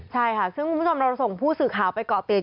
ใช่ค่ะซึ่งคุณผู้ชมเราส่งผู้สื่อข่าวไปเกาะติด